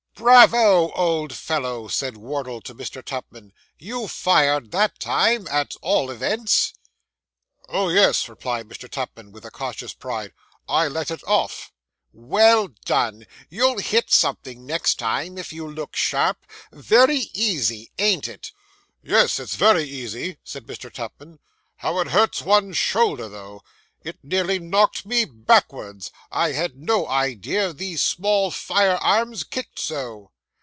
'Bravo, old fellow!' said Wardle to Mr. Tupman; 'you fired that time, at all events.' 'Oh, yes,' replied Mr. Tupman, with conscious pride. 'I let it off.' 'Well done. You'll hit something next time, if you look sharp. Very easy, ain't it?' 'Yes, it's very easy,' said Mr. Tupman. 'How it hurts one's shoulder, though. It nearly knocked me backwards. I had no idea these small firearms kicked so.